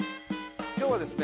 「今日はですね